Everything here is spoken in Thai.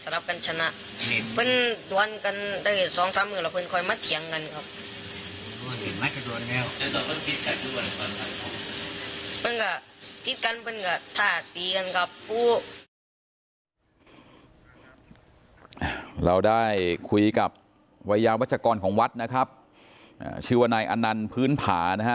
เราได้คุยกับวัยยาวัชกรของวัดนะครับชื่อว่านายอนันต์พื้นผานะฮะ